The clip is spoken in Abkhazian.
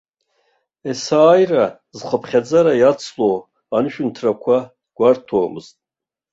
Есааира зхыԥхьаӡара иацло анышәынҭрақәа гәарҭомызт.